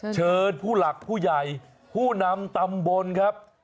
เชิญผู้หลักผู้ใหญ่ผู้นำตำบลครับ